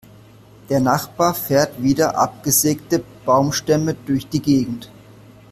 Der Nachbar fährt wieder abgesägte Baumstämme durch die Gegend.